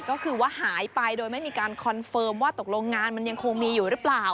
ก็คือว่าหายไปโดยไม่มีการคอนเฟิร์มว่าตกลงงานมันยังคงมีอยู่หรือเปล่า